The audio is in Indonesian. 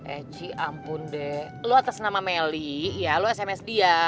eh ci ampun deh lo atas nama meli ya lo sms dia